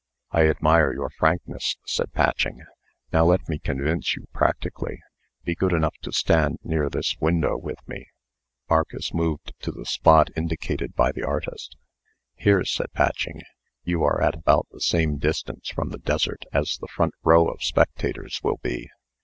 "I admire your frankness," said Patching. "Now let me convince you practically. Be good enough to stand near this window with me." Marcus moved to the spot indicated by the artist. "Here," said Patching, "you are at about the same distance from the desert as the front row of spectators will be.